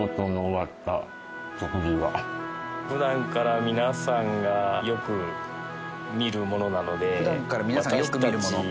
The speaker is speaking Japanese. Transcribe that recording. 普段から皆さんがよく見るもの。